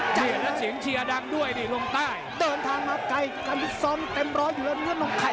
แผ่วหรือเปล่าแผ่วหรือเปล่า